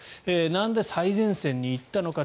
なんで最前線に行ったのか。